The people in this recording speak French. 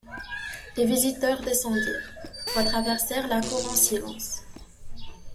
Les visiteurs descendirent, retraversèrent la cour en silence.